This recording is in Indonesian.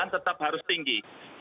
tetap harus tinggi